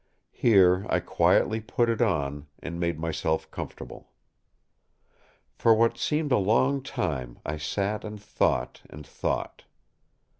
Here I quietly put it on, and made myself comfortable. For what seemed a long time, I sat and thought and thought.